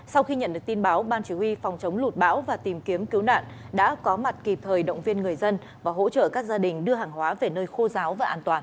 sau khi nhận được tin báo ban chỉ huy phòng chống lụt bão và tìm kiếm cứu nạn đã có mặt kịp thời động viên người dân và hỗ trợ các gia đình đưa hàng hóa về nơi khô giáo và an toàn